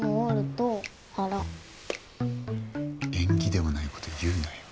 縁起でもない事言うなよ。